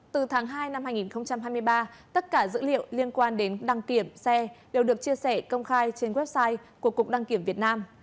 từ tháng hai năm hai nghìn hai mươi ba tất cả dữ liệu liên quan đến đăng kiểm xe đều được chia sẻ công khai trên website của cục đăng kiểm việt nam